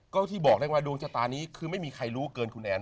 ก็ที่บอกได้ว่าดวงชะตานี้คือไม่มีใครรู้เกินคุณแอน